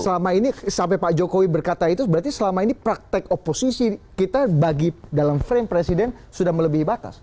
selama ini sampai pak jokowi berkata itu berarti selama ini praktek oposisi kita bagi dalam frame presiden sudah melebihi batas